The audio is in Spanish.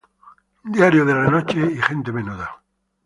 Diario de la noche" y "Gente menuda".